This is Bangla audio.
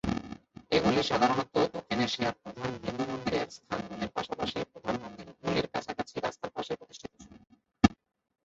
এগুলি সাধারণত দক্ষিণ এশিয়ার প্রধান হিন্দু মন্দিরের স্থানগুলির পাশাপাশি প্রধান মন্দিরগুলির কাছাকাছি রাস্তার পাশে প্রতিষ্ঠিত ছিল।